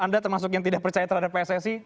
anda termasuk yang tidak percaya terhadap pssi